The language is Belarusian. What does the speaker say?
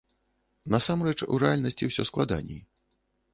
Насамрэч, у рэальнасці ўсё складаней.